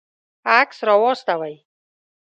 عکس راواستوئ